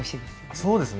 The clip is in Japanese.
そうですね